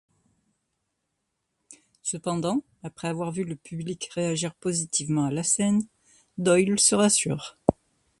Cependant, après avoir vu le public réagir positivement à la scène, Doyle se rassure.